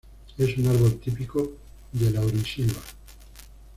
Es un árbol típico de laurisilva.